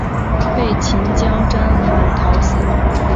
被秦将章邯讨死。